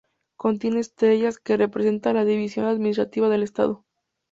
Contiene estrellas, que representan la división administrativa del Estado.